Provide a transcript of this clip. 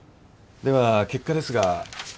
では結果ですが。